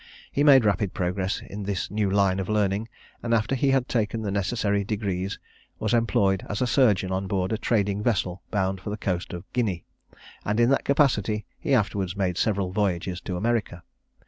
He made rapid progress in this new line of learning; and after he had taken the necessary degrees, was employed as a surgeon on board a trading vessel bound for the coast of Guinea, and in that capacity he afterwards made several voyages to America.